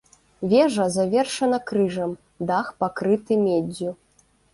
Вежа завершана крыжам, дах пакрыты меддзю.